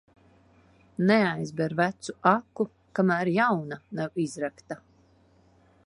Neaizber vecu aku, kamēr jauna nav izrakta.